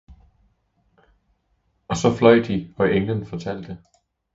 Og så fløj de, og englen fortalte.